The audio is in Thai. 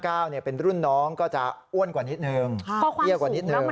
เก้าเนี่ยเป็นรุ่นน้องก็จะอ้วนกว่านิดนึงเพราะความสูง